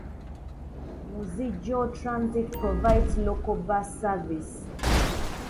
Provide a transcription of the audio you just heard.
Moose Jaw Transit provides local bus service.